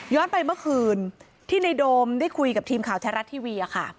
ไปเมื่อคืนที่ในโดมได้คุยกับทีมข่าวแท้รัฐทีวี